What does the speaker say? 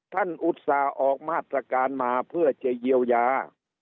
อุตส่าห์ออกมาตรการมาเพื่อจะเยียวยา